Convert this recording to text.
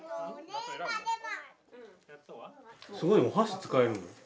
すごいお箸使えるの？